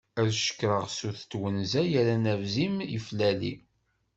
Ad cekreɣ sut twenza, yerran abzim yeflali.